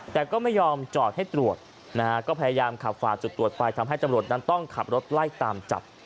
แต่ก็ไม่ยอมจอดให้ตรวจนะฮะก็พยายามขับฝ่าจุดตรวจไปทำให้ตำรวจนั้นต้องขับรถไล่ตามจับ